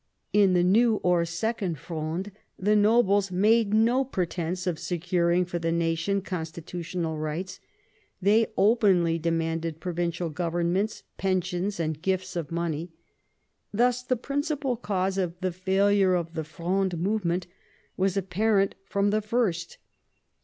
In the New or Second Fronde the nobles made no pretence of securing for the nation constitutional rights. They openly demanded provincial governments, pensions, and gifts of money. Thus the principal cause of the failure of the Fronde movement was apparent from the first.